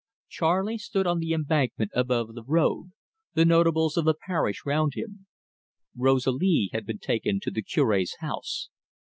Charley stood on the embankment above the road, the notables of the parish round him. Rosalie had been taken to the Cure's house.